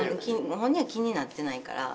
本人は気になってないから。